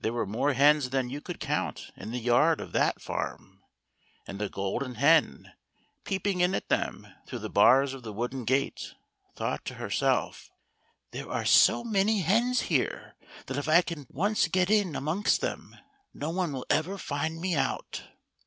There were more hens than you could count in the yard of that farm, and the Golden Hen, peeping in at them through the bars of the wooden gate, thought to herself; " There are so many hens here, that if I can once get in amongst them no one will ever find me out."